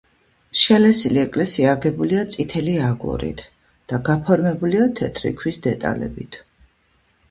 შელესილი ეკლესია აგებულია წითელი აგურით და გაფორმებულია თეთრი ქვის დეტალებით.